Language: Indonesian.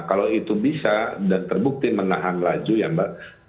kalau itu bisa dan terbukti menahan laju ya mbak